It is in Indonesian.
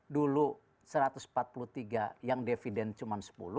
dulu satu ratus empat puluh tiga yang dividen cuma sepuluh